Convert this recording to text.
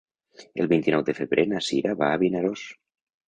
El vint-i-nou de febrer na Sira va a Vinaròs.